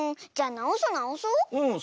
なおそうなおそう。